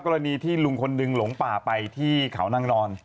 กรณีที่ลุงคนหนึ่งหลงป่าไปที่เขานั่งนอน